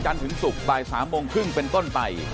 ถึงศุกร์บ่าย๓โมงครึ่งเป็นต้นไป